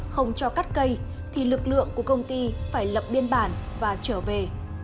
không cho cắt cây thì lực lượng của công ty phải lập biên bản và trở về